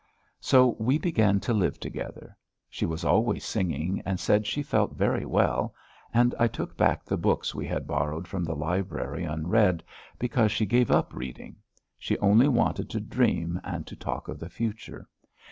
So we began to live together. She was always singing and said she felt very well, and I took back the books we had borrowed from the library unread, because she gave up reading; she only wanted to dream and to talk of the future.